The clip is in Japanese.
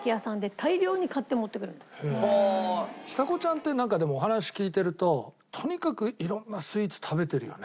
ちさ子ちゃんってなんかでもお話聞いてるととにかく色んなスイーツ食べてるよね。